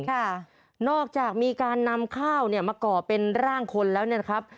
ค่ะนอกจากมีการนำข้าวเนี่ยมาก่อเป็นร่างคนแล้วเนี่ยนะครับ